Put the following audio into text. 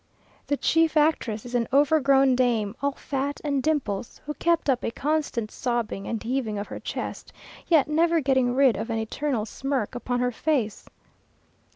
The chief actress is an overgrown dame, all fat and dimples, who kept up a constant sobbing and heaving of her chest, yet never getting rid of an eternal smirk upon her face.